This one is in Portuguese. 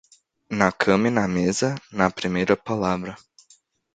Na cama e na mesa, na primeira palavra.